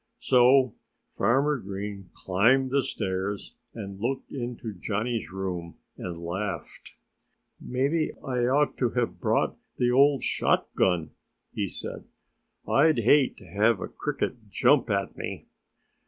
So Farmer Green climbed the stairs and looked into Johnnie's room and laughed. "Maybe I ought to have brought the old shotgun," he said. "I'd hate to have a Cricket jump at me."